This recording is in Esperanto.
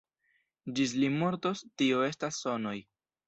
Ĝis li mortos, tio estos sonoj.